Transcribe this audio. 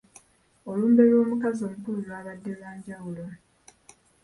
Olumbe lw'omukazi omukulu lwabadde lwa njawulo.